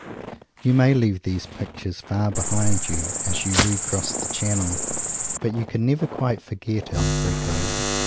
You may leave these pictures far behind you as you re cross the Channel, but you can never quite forget El Greco.